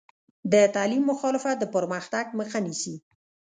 د تعلیم مخالفت د پرمختګ مخه نیسي.